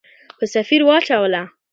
په سفیر واچوله.